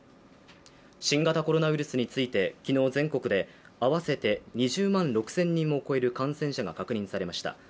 新型コロナウイルスについて昨日、全国で合わせて２０万６０００人を超える感染者が確認されました。